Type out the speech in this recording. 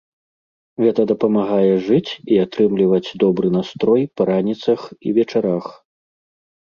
Гэта дапамагае жыць і атрымліваць добры настрой па раніцах і вечарах.